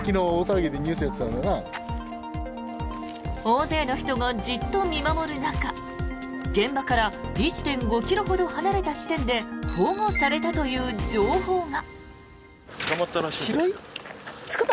大勢の人がじっと見守る中現場から１．５ｋｍほど離れた地点で保護されたという情報が。